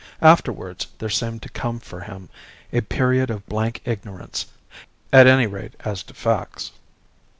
Afterwards there seemed to come for him a period of blank ignorance, at any rate as to facts.